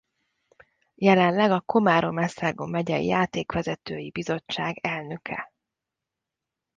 Jelenleg a Komárom-Esztergom Megyei Játékvezetői Bizottság elnöke